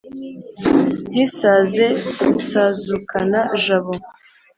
ntisaze rusazukana-jabo.